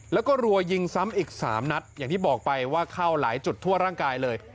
แล้วก็รัวยิงซ้ำอีก๓นัดอย่างที่บอกไปว่าเข้าหลายจุดทั่วร่างกายเลย